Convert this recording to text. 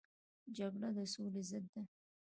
جګړه د سولې ضد ده